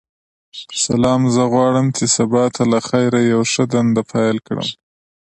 سلام ،زه غواړم چی سبا ته لخیر یوه ښه دنده پیل کړم.